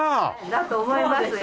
だと思いますよ。